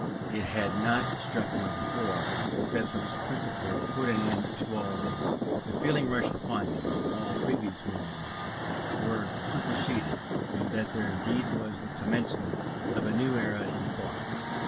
It had not struck me before, that Bentham's principle put an end to all this. The feeling rushed upon me, that all previous moralists were superseded, and that here indeed was the commencement of a new era in thought.